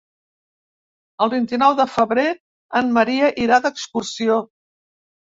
El vint-i-nou de febrer en Maria irà d'excursió.